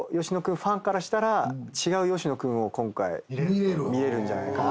ファンからしたら違う吉野君を今回見られるんじゃないかなと。